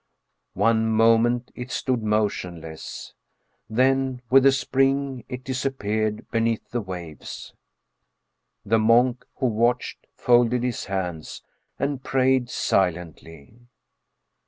One moment it stood motionless, then with a spring it disappeared beneath the waves. The monk who watched folded his hands and prayed si lently.